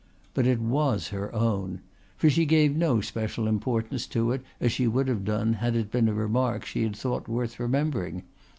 But it was her own. For she gave no special importance to it as she would have done had it been a remark she had thought worth remembering.